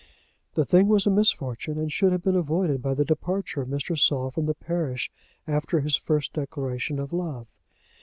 The thing was a misfortune, and should have been avoided by the departure of Mr. Saul from the parish after his first declaration of love.